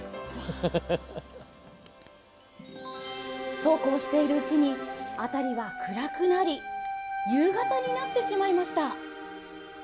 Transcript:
そうこうしているうちに辺りは暗くなり夕方になってしまいました。